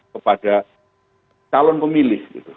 kepada calon pemilih